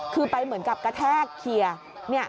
คือไปเหมือนกับกระแทกเคลียร์